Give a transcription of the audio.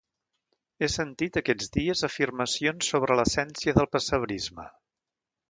He sentit aquests dies afirmacions sobre l’essència del pessebrisme.